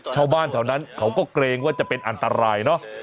ชาวบ้านแถวนั้นเขาก็เกรงว่าจะเป็นอันตรายเนอะ